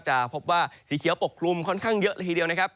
จะพบว่าสีเขียวปกคลุมค่อนข้างเยอะละทีเดียวนะครับ